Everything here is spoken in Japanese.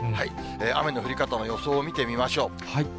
雨の降り方の予想を見てみましょう。